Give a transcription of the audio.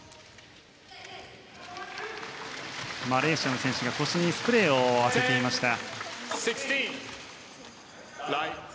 マレーシアの選手が腰にスプレーを当てていました。